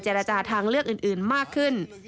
ราจาทางเลือกอื่นมากขึ้น